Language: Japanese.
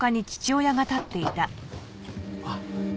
あっ。